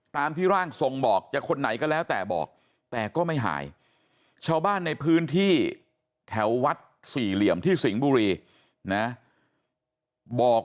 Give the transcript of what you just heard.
ตามที่ร่างทรงบอก